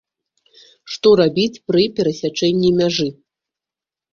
Што рабіць пры перасячэнні мяжы.